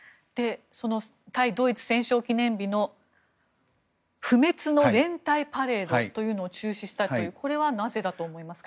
対ドイツ戦勝記念日の不滅の連隊パレードというのを中止したというこれはなぜだと思いますか。